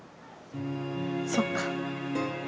そっか。